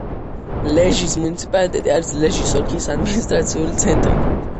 ლეჟის მუნიციპალიტეტი არის ლეჟის ოლქის ადმინისტრაციული ცენტრი.